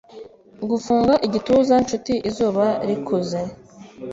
Gufunga igituza-nshuti izuba rikuze;